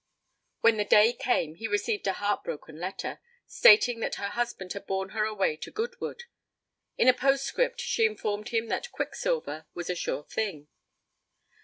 When the day came, he received a heart broken letter, stating that her husband had borne her away to Goodwood. In a postscript she informed him that 'Quicksilver was a sure thing'.